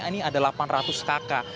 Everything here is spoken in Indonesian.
ini ada delapan ratus kakak